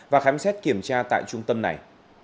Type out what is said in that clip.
và khám xét kiểm tra tại trung tâm này